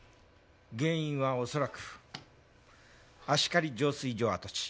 原因は恐らく阿鹿里浄水場跡地。